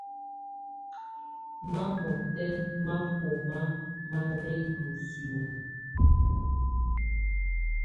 Mamɔ́tɛ́ máfɔ́má má lɛ́ ndɔ́ sìómo.